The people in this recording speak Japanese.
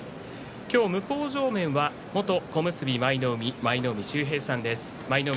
今日向正面は元小結舞の海舞の海秀平さんです。